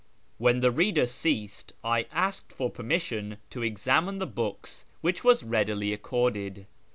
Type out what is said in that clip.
Wlien the reader ceased, I asked for permission to examine the books, which was readily accorded.